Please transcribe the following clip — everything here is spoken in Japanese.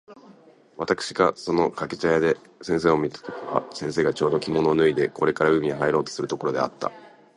私（わたくし）がその掛茶屋で先生を見た時は、先生がちょうど着物を脱いでこれから海へ入ろうとするところであった。